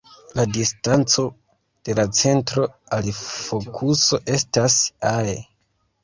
La distanco de la centro al fokuso estas "ae".